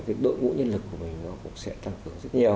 cái đội ngũ nhân lực của mình nó cũng sẽ tăng cường rất nhiều